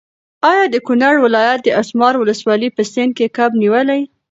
ایا د کونړ ولایت د اسمار ولسوالۍ په سیند کې کب نیولی؟